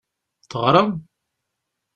Teɣṛam?